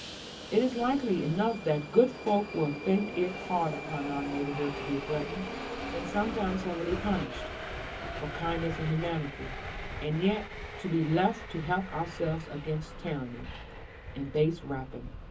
It is likely enough that good folk will think it hard upon our neighbourhood to be threatened, and sometimes heavily punished, for kindness and humanity; and yet to be left to help ourselves against tyranny, and base rapine.